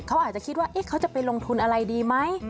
เขาอาจจะคิดว่าเขาจะไปลงทุนอะไรดีไหม